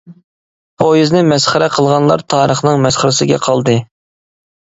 پويىزنى مەسخىرە قىلغانلار تارىخنىڭ مەسخىرىسىگە قالدى.